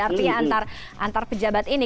artinya antar pejabat ini